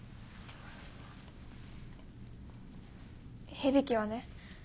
響はね